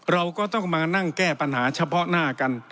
เราก็ต้องมานั่งแก้ปัญหาเฉพาะหน้ากัน